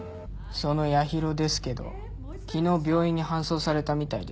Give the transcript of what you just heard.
その八尋ですけど昨日病院に搬送されたみたいです。